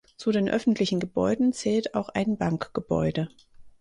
Zu den öffentlichen Gebäuden zählt auch ein Bankgebäude.